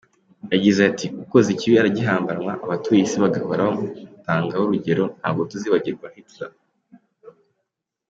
Yagize ati “Ukoze ikibi aragihambanwa, abatuye isi bagahora bamutangaho urugero, ntabwo tuzibagirwa Hitler.